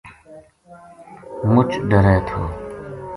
مُچ ڈرے تھو